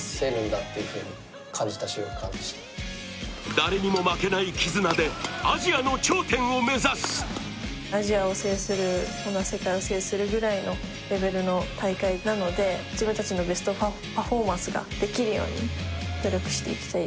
誰にも負けない絆でアジアの頂点を目指すぐらいのレベルの大会なので自分達のベストパフォーマンスができるように努力していきたい